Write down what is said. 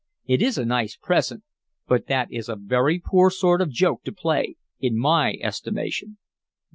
"It is a nice present, but that is a very poor sort of joke to play, in my estimation."